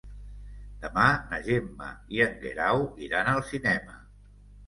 Demà na Gemma i en Guerau iran al cinema.